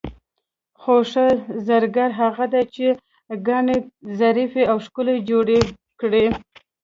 خو ښه زرګر هغه دی چې ګاڼې ظریفې او ښکلې جوړې کړي.